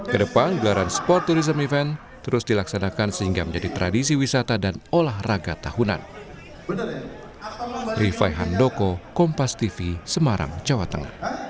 kedepan gelaran sport tourism event terus dilaksanakan sehingga menjadi tradisi wisata dan olahraga tahunan